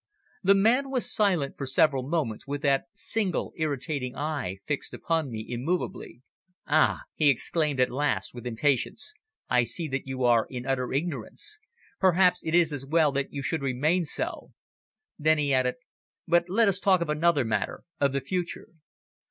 The man was silent for several moments with that single irritating eye fixed upon me immovably. "Ah!" he exclaimed at last with impatience. "I see that you are in utter ignorance. Perhaps it is as well that you should remain so." Then he added, "But let us talk of another matter of the future."